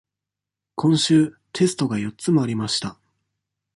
今週、テストが四つもありました。